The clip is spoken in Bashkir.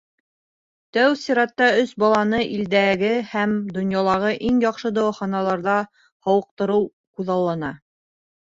Тәү сиратта өс баланы илдәге һәм донъялағы иң яҡшы дауаханаларҙа һауыҡтырыу күҙаллана.